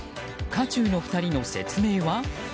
渦中の２人の説明は？